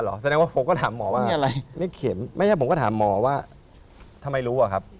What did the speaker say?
แล้วหมอไม่งงไหมครับ